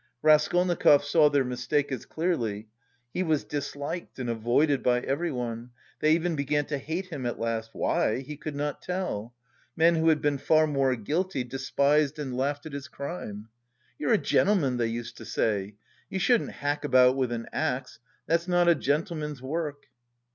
Raskolnikov saw their mistake as clearly. He was disliked and avoided by everyone; they even began to hate him at last why, he could not tell. Men who had been far more guilty despised and laughed at his crime. "You're a gentleman," they used to say. "You shouldn't hack about with an axe; that's not a gentleman's work."